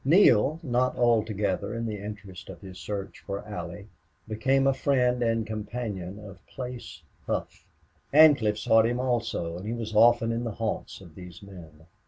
Neale, not altogether in the interest of his search for Allie, became a friend and companion of Place Hough. Ancliffe sought him, also, and he was often in the haunts of these men.